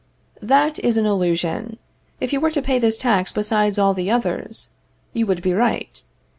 That is an illusion. If you were to pay this tax besides all the others, you would be right.